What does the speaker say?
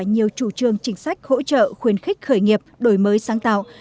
nhiều chủ trương chính sách hỗ trợ khuyến khích khởi nghiệp đổi mới sáng tạo